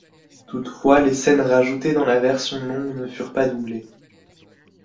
Toutefois, les scènes rajoutées dans la version longue ne furent pas doublées.